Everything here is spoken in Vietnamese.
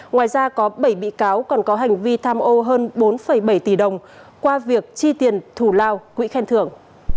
ngoài ra có bảy bị cáo còn có hành vi tham ô hơn bốn bảy tỷ đồng qua việc chi tiền thù lao quỹ khen thưởng